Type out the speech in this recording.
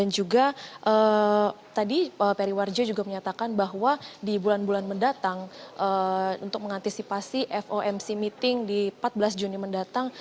jadi tadi periwarjo juga menyatakan bahwa di bulan bulan mendatang untuk mengantisipasi fomc meeting di empat belas juni mendatang